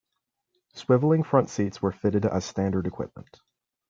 Swivelling front seats were fitted as standard equipment.